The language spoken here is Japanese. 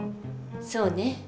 そうね。